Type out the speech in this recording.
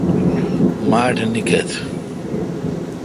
ماٹھ نیکتھ۔